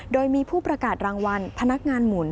โดยมีผู้ประกาศรางวัลพนักงานหมุน